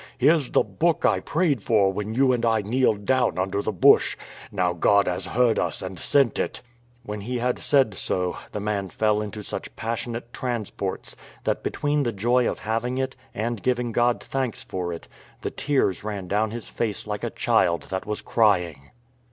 Here's the book I prayed for when you and I kneeled down under the bush; now God has heard us and sent it." When he had said so, the man fell into such passionate transports, that between the joy of having it, and giving God thanks for it, the tears ran down his face like a child that was crying.